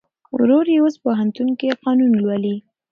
ورور یې اوس پوهنتون کې قانون لولي.